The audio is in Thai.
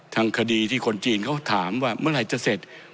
ทางคดีที่คนจีนเขาถามว่าเมื่อไหร่จะเสร็จ